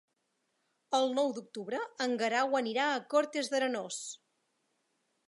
El nou d'octubre en Guerau anirà a Cortes d'Arenós.